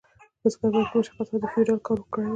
بزګر باید په مشخص وخت کې د فیوډال کار کړی وای.